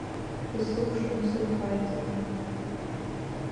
Исылшом сыбӷа аиҵыхра.